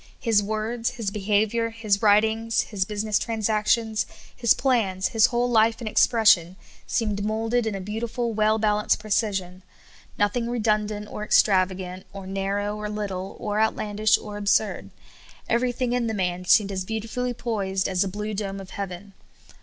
His words, his behavior, his writings, his business transactions, his plans, his whole life and expression, seemed moulded in a beautiful, well balanced precision ; noth ing redundant, or extravagant, or narrow, or little, or outlandish, or absurd. Everything in the man seemed as beautifully poised as the blue dome of heaven.